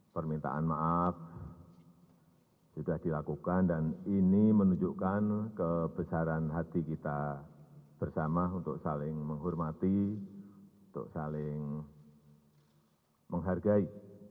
permintaan maaf sudah dilakukan dan ini menunjukkan kebesaran hati kita bersama untuk saling menghormati untuk saling menghargai